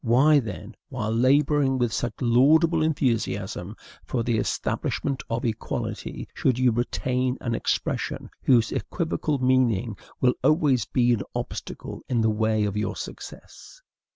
Why, then, while laboring with such laudable enthusiasm for the establishment of equality, should you retain an expression whose equivocal meaning will always be an obstacle in the way of your success?